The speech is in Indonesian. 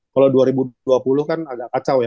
kalau dua ribu dua puluh kan agak kacau ya